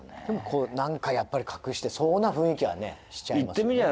でも何かやっぱり隠してそうな雰囲気はしちゃいますよね。